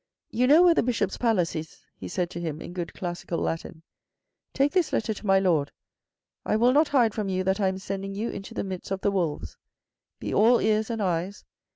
" You know where the Bishop's Palace is," he said to him in good classical Latin. " Take this letter to my Lord. I will not hide from you that I am sending you into the midst of the wolves. Be all ears and eyes.